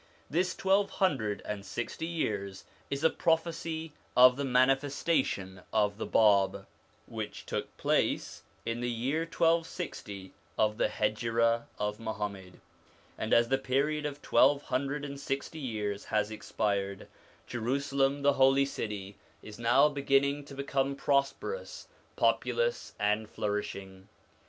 This twelve hundred and sixty years is a prophecy of the manifestation of the bab 1 of Baha'u'llah, which took place in the year 1260 of the Hejira of Muhammad, and as the period of twelve hundred and sixty years has expired, Jerusalem, the Holy City, is now beginning to become prosperous, populous, and flourishing.